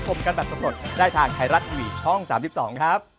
สวัสดีครับ